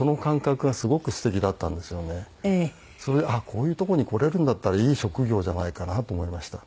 こういうとこに来れるんだったらいい職業じゃないかなと思いました。